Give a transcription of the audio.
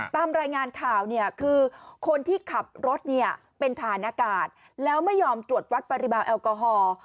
ตามรายงานข่าวเนี่ยคือคนที่ขับรถเนี่ยเป็นฐานอากาศแล้วไม่ยอมตรวจวัดปริมาณแอลกอฮอล์